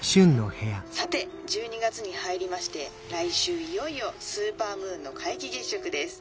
「さて１２月に入りまして来週いよいよスーパームーンの皆既月食です。